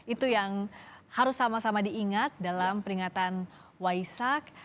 itu yang harus sama sama diingat dalam peringatan waisak